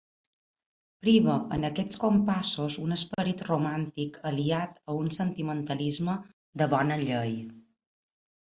Priva en aquests compassos un esperit romàntic aliat a un sentimentalisme de bona llei.